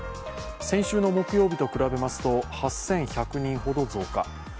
先週の木曜日と比べますと８１００人ほど増加。